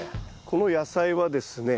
この野菜はですね